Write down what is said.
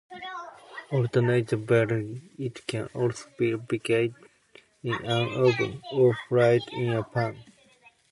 Alternatively it can also be baked in an oven, or fried in a pan.